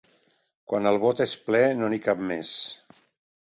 Quan el bot és ple, no n'hi cap més.